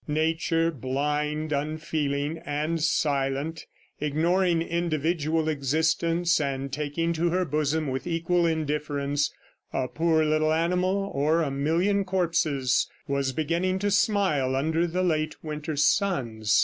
Nature, blind, unfeeling and silent, ignoring individual existence and taking to her bosom with equal indifference, a poor little animal or a million corpses, was beginning to smile under the late winter suns.